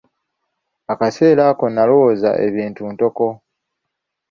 Akaseera ako nnalowooza ebintu ntoko.